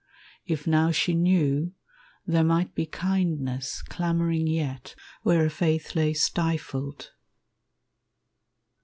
If now she knew, there might be kindness Clamoring yet where a faith lay stifled.